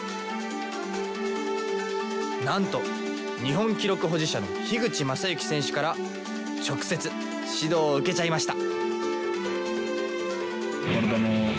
なんと日本記録保持者の口政幸選手から直接指導を受けちゃいました！